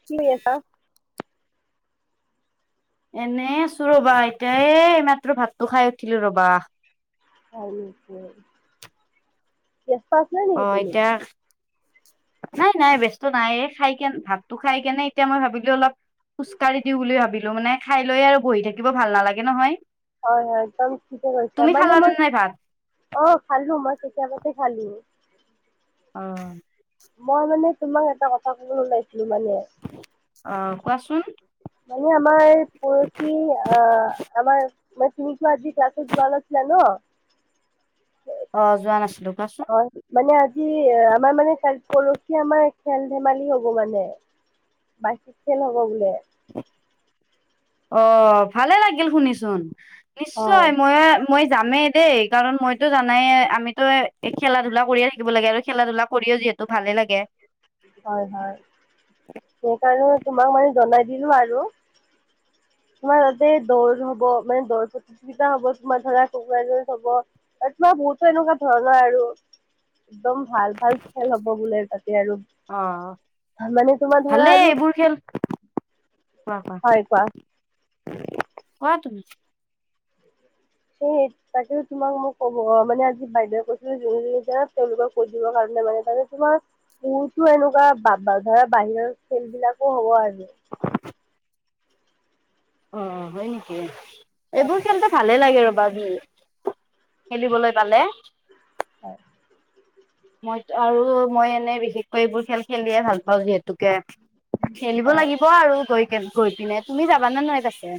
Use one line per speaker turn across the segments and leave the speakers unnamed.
কি কৈ আছা
এনেই আছো ৰবা এতিয়া এইমাত্ৰ ভাতটো খাই উঠিলো ৰবা।
আৰু ক বিয়স্ত আছে নি
অ, এতিয়া নাই - নাই ব্যস্ত নাই খাই কেনে ভাতটো খাই কেনে এতিয়া মই ভাবিলো অলপ খোজকাঢ়ি দিও বুলি ভাবিলো মানে খাই লৈ আৰু বহি থাকিব ভাল নালাগে নহয়।
হয় - হয় একদম ঠিকে কৈছা
তুমি
মানে
খালানে
মই
নাই ভাত
অ, খালো মই কেতিয়া বাতে খালো।
অ',
মই মানে তোমাক এটা কথা ক'ব ওলাইছিলো মানে।
অ, কোৱাচোন?
মানে আমাৰ পৰহি আ - আমাৰ মই তুমি টো আজি ক্লাছত যোৱা নাছিল ন।
অহ, যোৱা নাছিলো কোৱাচোন?
অ, মানে আজি আমাৰ মানে পৰহি আমাৰ খেল ধেমালি হব মানে। বাকী খেল হ'ব বোলে।
অ, ভালে লাগিল শুনিচোন
হয়
নিশ্চয় মই মই যামেই দেই কাৰণ মইটো জানায়ে আমিটো এ খেলা ধূলা কৰিয়ে থাকিব লাগে আৰু খেলা ধূলা কৰি যিহেতু ভালে লাগে।
হয় - হয় সেইকাৰণে তোমাক মানে জনাই দিলো আৰু। তোমাৰ তাতে দৌৰ হ'ব মানে দৌৰ প্ৰতিযোগিতা হ'ব তোমাৰ ধৰা কোনোবা এজনে হ'ব আৰু তোমাৰ বহুতো এনেকুৱা ধৰণৰ আৰু। একদম ভাল - ভাল খেল হ'ব বোলে তাতে আৰু।
অ,
মানে তোমাৰ ধৰা
ভালেই
আৰু
এইবোৰ খেল কোৱা - কোৱা? কোৱা তুমি?
সেই তাকে তোমাক মোক কব মানে আজি বাইদেৱে কৈছিলে যুনে যোনে যায় তেওলোকক কৈ দিবৰ কাৰণে মানে তাকে তোমাক বহুতো এনেকুৱা ধৰা বাহিৰৰ খেল বিলাকো হব আৰু।
অ, হয় নেকি এইবোৰ খেলটো ভালে লাগে ৰ'বা যি খেলিবলৈ পালে।
হয়।
মই আৰু মই এনে বিশেষ এইবোৰ খেল খেলিয়ে ভাল পাও যিহেতুকে খেলিব
হয়
লাগিব আৰু গৈ গৈ পিনে, তুমি যাবানে নাই পাছে?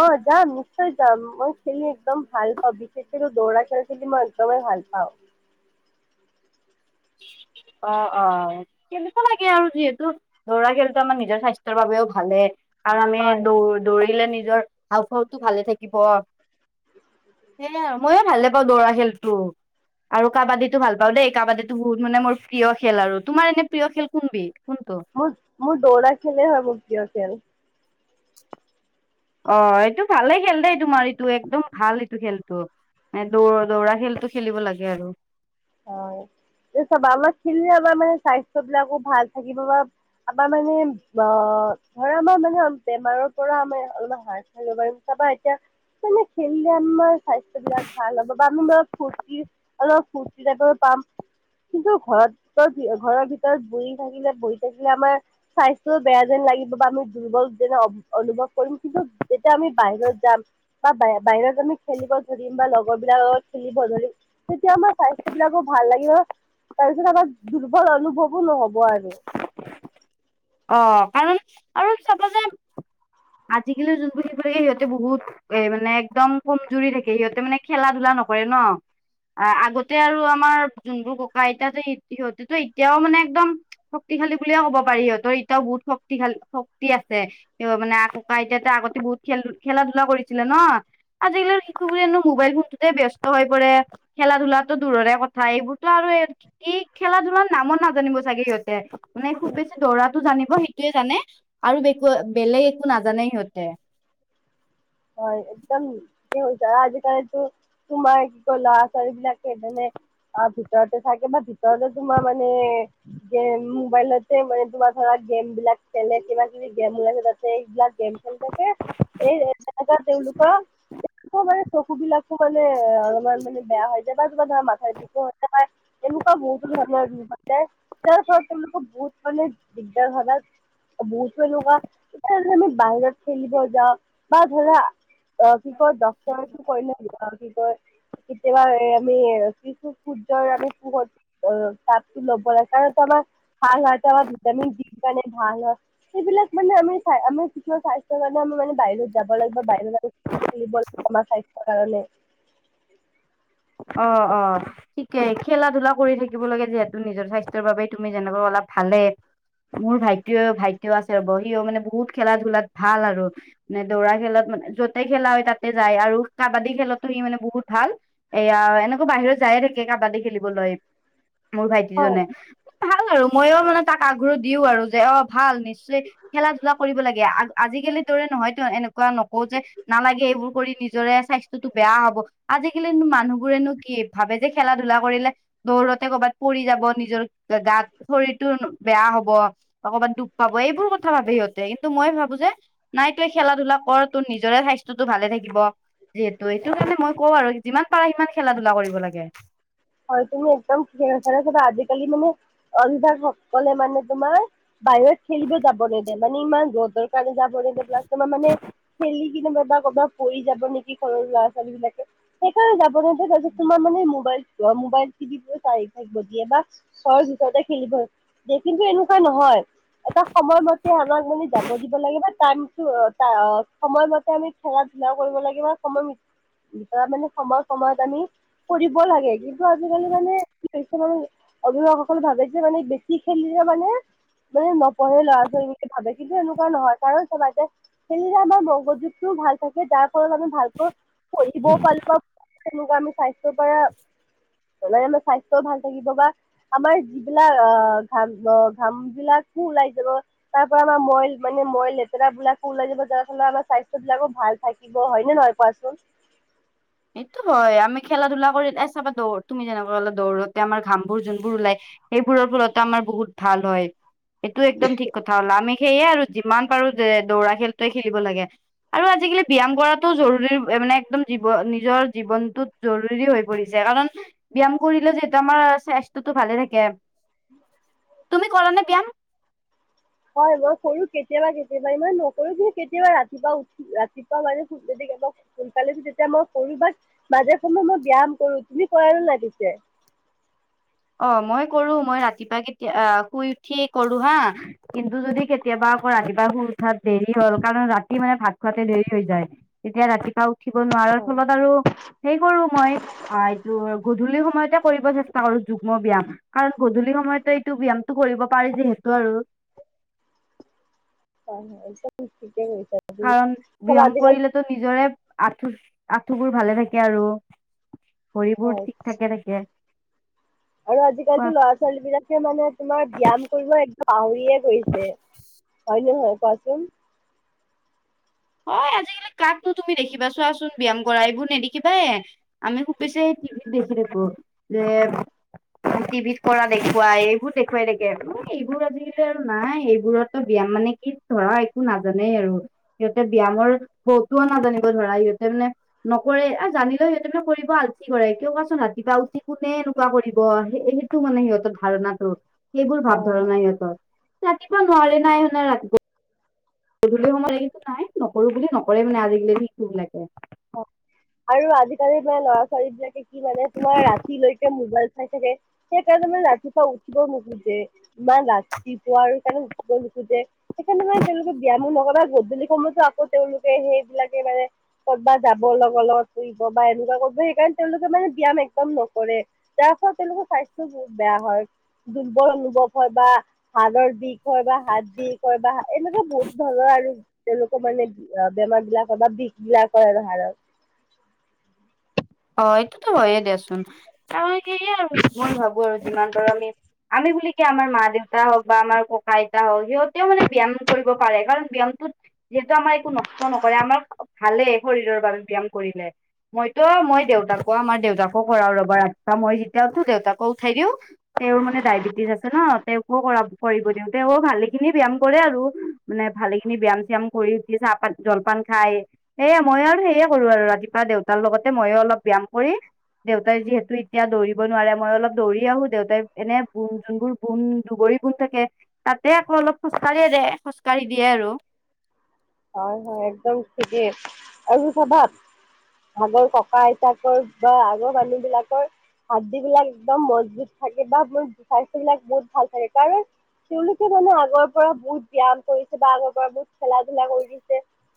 অ, যাম নিশ্চয় যাম মই খেলি একদম ভাল পাব বেছিকৈ দৌৰা খেল খেলি মই একদমেই ভাল পাও।
অ', অ', খেলিব লাগে আৰু যিহেতু দৌৰা খেলটো আমাৰ নিজৰ স্বাস্থ্যৰ বাবেও ভালে। আৰু আমি
হয়
দৌ দৌৰিলে নিজৰ হাউফাউটো ভালে থাকিব সেয়াই আৰু ময়ো ভালে পাও দৌৰা খেল টো আৰু কাবাডীটো ভাল পাও দেই কাবাডী বহুত মানে মোৰ প্ৰিয় খেল আৰু, তোমাৰ এনে প্ৰিয় খেল কোন বিধ কোনটো?
মোৰ - মোৰ দৌৰা খেলে হয় মোৰ প্ৰিয় খেল।
অ, এইটো ভালে খেল দেই তোমাৰ এইটো একদম ভাল এইটো খেলটো। এ দৌ-দৌৰা খেলটো খেলিব লাগে আৰু।
হয়। এতিয়া চাবা আমাৰ খেলিলে মানে স্বাস্থ্য বিলাকো ভাল থাকিব বা আমাৰ মানে অ', ধৰা আমাৰ মানে বেমাৰৰ পৰা আমি অলপমান হাত সাৰিব পাৰিম তাপা এতিয়া মানে খেলিলে আমাৰ স্বাস্থ্য বিলাক ভাল হ'ব বা আমাৰ ফুৰ্তি অলপ ফুৰ্তি ফুৰ্টি এটা কৰিব পাম। কিন্তু ঘৰত ভিতৰত কি ঘৰৰ ভিতৰত বহি থাকিলে বহি থাকিলে আমাৰ স্বাস্থ্যও বেয়া যেন লাগিব বা আমি দুৰ্বল যেনে অ', অনুভৱ কৰিম কিন্তু যেতিয়া আমি বাহিৰত যাম। বা বাহি বাহিৰত আমি খেলিব ধৰিম বা লগৰ বিলাকৰ লগত খেলিব ধৰিম, তেতিয়া আমাৰ স্বাস্থ্য বিলাকো ভাল লাগিব তাৰপিছত আমাৰ দুৰ্বল অনুভৱো নহ'ব আৰু।
অ', কাৰণ আৰু চাবা যে আজিকালি যোনবোৰ সেই কৰে সিহঁতে বহুত এ মানে একদম কমজুৰি থাকে সিহঁতে মানে খেলা ধূলা নকৰে ন। আ, আগতে আৰু আমাৰ যোনবোৰ ককা আইতাহঁতে এ সিহঁতেটো এতিয়াও মানে একদম শক্তিশালী বুলিয়ে ক'ব পাৰি, সিহঁতৰ এতিয়াও বহুত শক্তিশালী শক্তি আছে। এতিয়াও মানে আ ককা আইতাহঁতে আগতে বহুত খেল খেলা ধূলা কৰিছিলে ন। আজিকালিৰ শিশুবিলাকে নো ম'বাইল ফোনটোতে ব্যস্ত হৈ পৰে। খেলা ধূলাটো দূৰৰে কথা, এইবোৰটো আৰু এই এই খেলা ধূলাৰ নামো নাজানিব চাগে সিহঁতে, মানে খুব বেছি দৌৰা টো জানিব সেইটোৱে জানে আৰু একো বেলেগ একো নাজানে সিহঁতে।
হয়, একদম। হৈছে আজিকালিটো তোমাৰ কি কয় ল'ৰা ছোৱালী বিলাকে মানে আ, ভিতৰতে থাকে বা ভিতৰতে তোমাৰ মানে যেন মো মোবাইলতে মানে তোমাৰ ধৰা গেম বিলাক খেলে কিবা কিবি গেম ওলাইছে তাতে এইবিলাক গেম খেলি থাকে এই এ তেওঁলোকৰ তেওঁলোক মানে চকু বিলাক মানে অলপমান মানে বেয়া হৈ যায় বা কিবা ধৰা মাথা বিষো হৈ যায় বা। এনেকুৱা বহুতো ধৰণৰ যায় যাৰ ফলত তেওঁলোকৰ বহুত মানে দিগদাৰ হয়। বহুতো এনেকুৱা এতিয়া আমি বাহিৰত খেলিব যাওঁ বা ধৰা। অ, কি কয় ডক্টৰ কি কৰিলে কি কয়? কেতিয়াবা এ আমি যিটো সূৰ্যৰ আমি পোহৰ অ, তাতটো লভ্য নাই কাৰণ তোমাৰ ভাল হয় আমাৰ ভিটামিন ডিৰ কাৰণে ভাল হয়। সেইবিলাক মানে আমি চা আমি কিছুমান স্বাস্থ্যৰ কাৰণে আমি মানে বাহিৰত যাব লাগিব বাহিৰত খেলিব লাগিব আমাৰ স্বাস্থ্যৰ কাৰণে
অ', অ', ঠিকেই খেলা ধূলা কৰি থাকিব লাগে, যিহেতু নিজৰ স্বাস্থ্যৰ বাবে তুমি যেনেকুৱা ক'লা ভালে মোৰ ভাইটিও-ভাইটিও আছে ৰব সিয়ো মানে বহুত খেলা ধূলাত ভাল আৰু। মানে দৌৰা খেলত মানে য'তে খেলা হয় তাতে যায় আৰু কাবাডী খেলটো সি মানে বহুত ভাল। এইয়া এনেকৈ বাহিৰত যায়ে থাকে কাবাডী খেলিবলৈ মোৰ ভাইটি
হয়
জনে। ভাল আৰু মইয়ো মানে তাক আগ্ৰহ দিও আৰু যে অ, ভাল নিশ্চয় খেলা ধূলা কৰিব লাগে আ-আজিকালি দৰে নহয়তো এনেকুৱা কোৱা নকও যে নালাগে এইবোৰ কৰি নিজৰে স্বাস্থ্যটো বেয়া হব। আজিকালিনো মান মানুহবোৰেনো কি ভাবে যে খেলা ধু লা কৰিলে দৌৰতে কৰ'ৰবাত পৰি যাব নিজৰ গাত শৰীৰটো বেয়া হব অকমান দুখ পাব এইবোৰ কথা ভাবে সিহঁতে, কিন্তু মই ভাবো যে নাই তই খেলা ধূলা কৰ তোৰ নিজৰে স্বাস্থ্যটো ভালে থাকিব। যিহেতু এইটো কাৰণে মই কওঁ আৰু যিমান পাৰা সিমান খেলা ধূলা কৰিব লাগে।
হয়, তুমি একদম চেৰা চে চব আজিকালি মানে অভিভাৱক সকলে মানে তোমাৰ বাহিৰত খেলিব যাব নিদিয়ে মানে ইমান যতৰ কাৰণে যাব নিদিযে প্লাছ তোমাৰ মানে খেলি কি নো ক'বা পৰি যাব নেকি? ঘৰৰ ল'ৰা ছোৱালী বিলাকে সেইকাৰণে যাব তোমাৰ মানে মোবাইল মোবাইল ট চাৰি থাকিব দিয়ে বা, ঘৰৰ ভিতৰতে খেলিব, দে কিন্তু এনেকুৱা নহয়। এটা সময়মতে আমাক মানে যাব দিব লাগে বা টাইমটো সময়মতে আমি- খেলা ধূলা কৰিব লাগিব বা সময় ভিতৰা মানে ধৰা সময়- সময়ত আমি কৰিব লাগে কিন্তু আজিকালি মানে কিছুমান অভিভাৱকসকলে ভাবেয়ে মানে বেছি খেলিলে মানে মানে নপঢ়ে ল'ৰা ছোৱালীকে ভাবে কিন্তু এনেুৱা নহয় কাৰণ চাবা মাজে সেইদিনা আমাৰ মগজুতটোও ভাল থাকে তাৰ ফলত আমাৰ- ভালক কৰিবও পাৰিব তেনেকুৱা আমি স্বাস্থ্য-
[unintelligible]
এনেই এনেই স্বাস্থ্য ভাল থাকিব বা। আমাৰ যিবিলাক অ ঘাম অ ঘাম বিলাকো ওলাই যাব। তাৰ পৰা আমাৰ মইল মানে মই লেতেৰা বিলাকো ওলাই যাৰ ফলত আমাৰ স্বাস্থ্য বিলাকো ভাল। থাকিব হয়নে নহয় কোৱাচোন?
সেইটো হয় আমি খেলা ধূলা কৰি চাবা দৌ তুমি যেনেকোৱাললে দৌৰোতে আমাৰ ঘামবোৰ যোনবোৰ ওলাই- সেইবোৰৰ ফলতা আমাৰ বহুত ভাল হয় এইটো একদম ঠিক- কথা হ'লা আমি সেইয়ে আৰু যিমান পাৰো যে দৌৰা খেলটোৱে খেলিব লাগে। আৰু আজিকালি ব্যায়াম কৰাটো জৰুৰী মানে একদম- নিজৰ জীৱনটোত জৰুৰী হৈ পৰিছে কাৰণ। ব্যায়াম কৰিলেও যিহেতু আমাৰ স্বাস্থ্যটো ভালে থাকে তুমি কৰা নে ব্যায়াম-
হয় মই কৰো কেতিয়াবা কেতিয়াবা ইমান নকৰো কিন্তু কেতিয়াবা ৰাতিপুৱা উঠ- ৰাতিপুৱা মানে যদি সোনকালে উঠো তেতিয়া মই কৰো বাট- মাজে সময় মই ব্যায়াম কৰো তুমি কৰা নে নাই পিছে?
অ মই কৰো মই ৰাতিপুৱা কেতিয়া আহ শুই উঠিয়ে কৰো হা। কিন্তু যদি কেতিয়াবা আকৌ ৰাতিপুৱা শুই উঠাত দেৰি হ'ল কাৰণ ৰাতি মানে ভাত খোৱাতে দেৰি হৈ যায়। তেতিয়া ৰাতিপুৱা উঠিব নোৱাৰাৰ
হয়
ফলত আৰু- সেই কৰো মই, অঁ এইটো গধূলি সময়তে কৰিব চেষ্টা কৰো। যুগ্ম ব্যায়াম কাৰণ গধূলি সময়তো এইটো ব্যায়ামটো কৰিব পাৰি যিহেতু আৰু-
[unintelligible]
কাৰণ
চব
ব্যায়াম
আজিকালি
কৰিলেতো নিজৰে আঁঠু আঁঠুবোৰ ভালে থাকে আৰু। ভৰিবোৰ
হয়
ঠিক থাকে থাকে।
আৰু আজিকালিতো ল'ৰা ছোৱালী বিলাকে মানে তোমাৰ ব্যাম কৰিব এক- কাউৰিয়ে ধৰিছে হয় নহয় কোৱাচোন।
হয় আজিকালি কাকো তুমি দেখিবা চোৱাচোন ব্যায়াম কৰা এইবোৰ নেদেখিবা এ। আমি খুব বেছি বিজি থাকো যে। টিভিত কৰা দেখুৱাই এইবোৰ দেখুৱাই থাকে আৰু এইবোৰ আজিকালি আৰু নাই এইবোৰতো ব্যাম মানে- ই ধৰা একো নাজানেই আৰু সিহঁতে ব্যায়ামৰ বৌতোও নাজানিব ধৰা সিহঁতে মানে- নকৰে আৰু জানিলে সিহঁতে কৰিব আলচি হয় কৰে কিয় কোৱাচোন ৰাতিপুৱা উচি কোনে এনেকুৱা কৰিব স- টো মানে সিহঁতৰ ধাৰণাটো সেইবোৰ ভাৱ
হয় হয়।
ধাৰণা সিহঁতৰ ৰাতিপুৱা নোৱাৰে নাই সে ৰাতি- গধূলি সময়ত এইটো নাই নকৰো বুলি নকৰে মানে আজিকালি ভিকবিলাকক
আৰু আজিকালি ম‌ই ল'ৰা ছোৱালী বিলাকে কি মানে তোমাৰ ৰাতিলৈকে মোবাইল চাই- থাকে, সেইকাৰণে মানে ৰাতিপুৱা উঠিব নোখোজে। ইমান ৰাতিপুৱা আৰু সেইকাৰণে উঠিব নোখোজে। সেইকাৰণে মানে তেওঁলোকে ব্যায়ামো নহবা গধূলি সময়তো আকৌ তেওঁলোকে সেইবিলাকে মানে- কপা যাব লগৰ লগত শুইব বা এনেকুৱা কৰিব সেইকাৰণে তেওঁলোকে মানে ব্যায়াম একদম নকৰে। যাৰ ফলত তেওঁলোকৰ স্বাস্থ্যও বহুত বেয়া হয়, দুৰ্বল অনুভৱ হয় বা হাৰ্ডৰ বিষ- হয় বা হাৰ্ডি কয় বা এনেকুৱা বহুত ধৰণৰ আৰু- তেওঁলোকৰ মানে বেমাৰ বিলাক হয় বা বিষ বিলাক হয় আৰু হাড়ত।
অ এইটোতো হয়ে দেচোন, তই- সে আৰু মই ভাবো আৰু যিমান পাৰো আমি আমি বুলি- আমাৰ মা দেউতা হওক বা আমাৰ ককা আইতা হওক সিহঁতেও মানে ব্যায়াম কৰিব পাৰে কাৰণ ব্যায়ামটোত- যিহেতু আমাৰ একো নষ্ট নকৰে আমাৰ ভালেই শৰীৰৰ বাবে ব্যায়াম কৰিলে মইতো মই- দেউতাকো আমাৰ দেউতাকো কৰাও ৰবা ৰাতিপুৱা মই যেতিয়া উঠো দেউতাকো উঠাই দিও তেওঁৰ মানে ডায়বেটিছ আছে ন' তেওঁ কো কৰা কৰিব দিওঁ তেওঁ ভালেখিনি ব্যায়াম কৰে আৰু মানে ভালে খিনি ব্যায়াম চিয়াম কৰি- চাহপাত জলপান খাই সেয়া মই আৰু সেয়ে কৰো আৰু ৰাতিপুৱা দেউতাৰ লগতে মইয়ো অলপ- ব্যায়াম কৰি দেউতাই যিহেতু এতিয়া দৌৰিব নোৱাৰে মই অলপ দৌৰি আহো দেউতাই এনে বোণ যোনবোৰ বোন দুবৰী বোণ থাকে তাতে আকৌ অলপ খোজকাঢ়িয়ে দে খোজ খোজ কাঢ়ি দিয়ে আৰু।
হয়- হয় একদম ঠিকেই আৰু চাবা আগৰ ককা -আইতাকৰ বা আগৰ মানুহ বিলাকৰ হাড্ডী বিলাক একদম মজবুত থাকে বা মই স্বাস্থ্য বিলাক বহুত ভাল থাকে কাৰণ তেওঁলোকে মানে আগৰ পৰা বহুত ব্যায়াম কৰিছে বা আগৰ পৰা বহুত খেলা -ধূলা কৰি দিছে।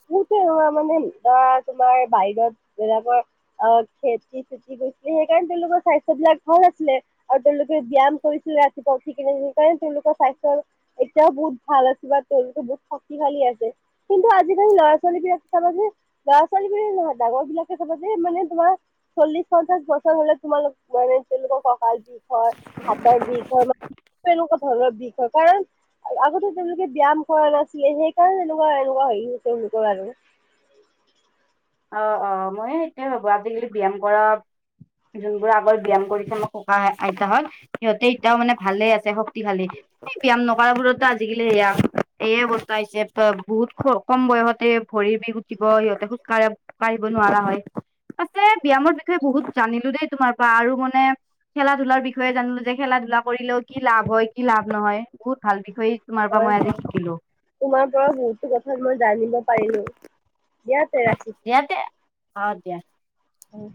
হেই তেনেকুৱা মানে অ, তোমাৰ বাহিৰত বেলেগৰ অ, খেতি-চে [unintelligible] সেইকাৰণে তেওঁলোকৰ স্বাস্থ্যবিলাক ভাল আছিলে। আৰু তেওঁলোকে ব্যায়াম কৰিছিলে ৰাতিপুৱা উঠি কিনে সেইকাৰণে তেওঁলোকৰ স্বাস্থ্যৰ এতিয়াও বহুত ভাল আছে বা তেওঁলোকে বহুত শক্তিশালী আছে। কিন্তু আজিকালি ল'ৰা -ছোৱালী বিলাক চাবা যে ল'ৰা -ছোৱালী বোলিয়ে নহয় ডাঙৰ বিলাকে চাবা যে মানে তোমাৰ চল্লিশ, পঞ্চাশ বছৰ হলে তোমালোক মানে তেওঁলোকৰ কঁকাল বিষ হয়, হাতৰ বিষ [unintelligible] এনেকুৱা ধৰণৰ বিষ হয় কাৰণ আগতে তেওঁলোকে ব্যায়াম কৰা নাছিলে সেইকাৰণে তেনেকুৱা এনেকুৱা হেৰি হৈছে [unintelligible]
অ', অ', মই সেইটোৱে ভাবো আজিকালি ব্যায়াম কৰা যোনবোৰ আগৰ ব্যায়াম কৰিছে মই ককা- আইতাহত সিহঁতে এতিয়াও মানে ভালে আছে শক শক্তিশালী এই ব্যায়াম নকৰা বোৰৰতো আজিকালি সেয়া এইয়ে অৱস্থা হৈছে বহুত কম বয়সতে ভৰিৰ বিষ উঠিব সিহঁতে খোজকাঢ়ে খোজকাঢ়িব বাঢ়িব নোৱাৰা হ'য়। পাছে ব্যায়ামৰ বিষয়ে বহুত জানিলোঁ দেই তোমাৰ পৰা আৰু মানে খেলা-ধূলাৰ বিষয়ে জানিলোঁ যে খেলা-ধূলা কৰিলেও কি লাভ হ'য় কি লাভ নহ'য় বহুত ভাল বিষয়েই
হয় - হয় তোমাৰ পৰা বহুতো কথাত মই জানিব পাৰিলোঁ দিয়া তে ৰাখিছো।
দিয়া তে অ, দিয়া।
উম,